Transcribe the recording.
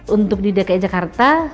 untuk di dki jakarta